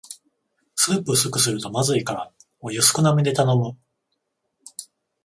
スープ薄くするとまずいからお湯少なめで頼む